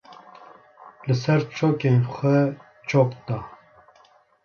Li ser çokên xwe çok da.